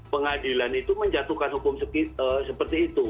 pengadilan itu menjatuhkan hukum seperti itu